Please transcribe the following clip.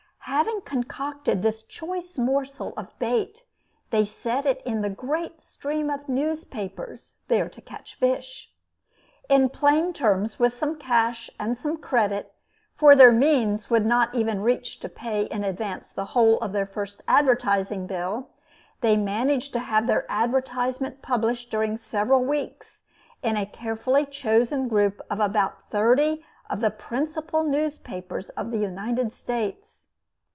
Having concocted this choice morsel of bait, they set it in the great stream of newspapers, there to catch fish. In plain terms, with some cash and some credit for their means would not even reach to pay in advance the whole of their first advertising bill they managed to have their advertisement published during several weeks in a carefully chosen group of about thirty of the principal newspapers of the United States.